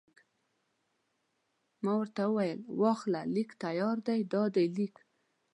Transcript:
ما ورته وویل: واخله، لیک تیار دی، دا دی لیک.